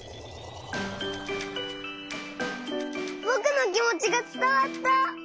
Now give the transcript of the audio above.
ぼくのきもちがつたわった！